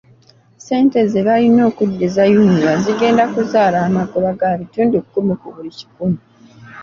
Ssente ze balina okuddiza UNRA zigenda kuzaala amagoba ga bitundu kumi ku buli kikumi.